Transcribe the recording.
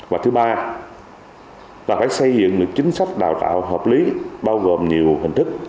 và thứ ba là phải xây dựng được chính sách đào tạo hợp lý bao gồm nhiều hình thức